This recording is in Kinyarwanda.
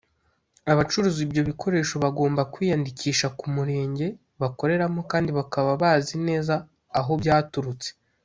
Abacuruza ibyo bikoresho bagomba kwiyandikisha ku murenge bakoreramo kandi bakaba bazi neza aho byaturutse